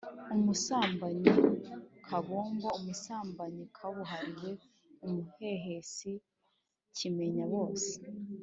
umusambanyi kabombo: umusambanyi kabuhariwe, umuhehesi kimenyabose